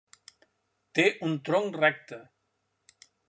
Té un tronc recte.